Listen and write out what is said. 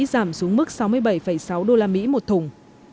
giảm xuống mức sáu mươi bảy sáu đô la mỹ một thùng